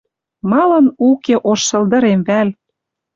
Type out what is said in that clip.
Малын уке ош шылдырем вӓл?